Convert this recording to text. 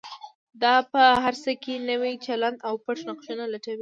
دا په هر څه کې نوی چلند او پټ نقشونه لټوي.